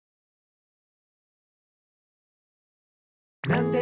「なんで？